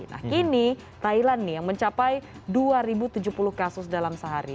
nah kini thailand nih yang mencapai dua tujuh puluh kasus dalam sehari